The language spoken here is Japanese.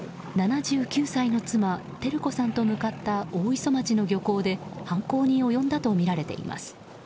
７９歳の妻・照子さんと向かった大磯町の漁港で犯行に及んだとみられています。